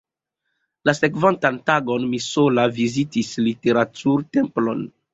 La sekvantan tagon mi sola vizitis Literatur-Templon.